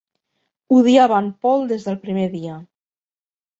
Odiava en Paul des del primer dia.